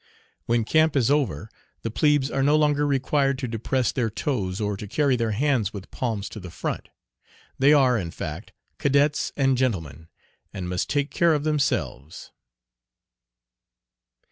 When camp is over the plebes are no longer required to depress their toes or to carry their hands with palms to the front. They are, in fact, "cadets and gentlemen," and must take care of themselves.